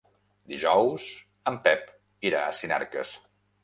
Dijous en Pep irà a Sinarques.